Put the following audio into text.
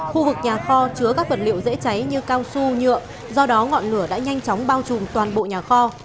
khu vực nhà kho chứa các vật liệu dễ cháy như cao su nhựa do đó ngọn lửa đã nhanh chóng bao trùm toàn bộ nhà kho